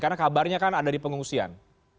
karena kabarnya kan ada di pengungsian